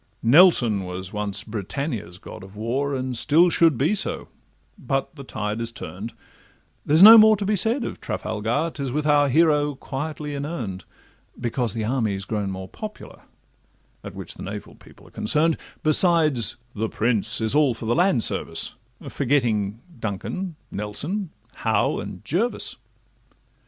Nelson was once Britannia's god of war, And still should be so, but the tide is turn'd; There's no more to be said of Trafalgar, 'Tis with our hero quietly inurn'd; Because the army 's grown more popular, At which the naval people are concern'd; Besides, the prince is all for the land service, Forgetting Duncan, Nelson, Howe, and Jervis.